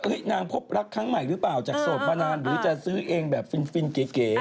นางพบรักครั้งใหม่หรือเปล่าจากโสดมานานหรือจะซื้อเองแบบฟินเก๋